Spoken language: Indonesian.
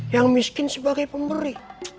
yang miskin sebagai pemberi